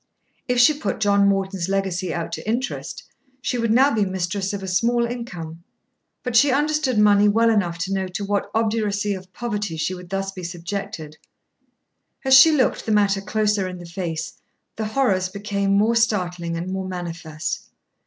If she put John Morton's legacy out to interest, she would now be mistress of a small income; but she understood money well enough to know to what obduracy of poverty she would thus be subjected. As she looked the matter closer in the face the horrors became more startling and more manifest.